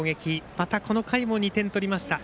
またこの回も２点取りました。